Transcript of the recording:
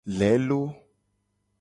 Lelo.